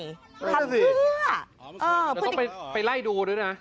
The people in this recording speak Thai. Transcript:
ทำเพื่อเออพูดอีกแล้วต้องไปไล่ดูด้วยนะ